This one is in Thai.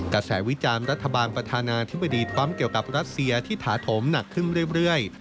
กระแสวิจารณ์รัฐบาลประธานาธิบดีทรัมป์เกี่ยวกับรัสเซียที่ถาโถมหนักขึ้นเรื่อย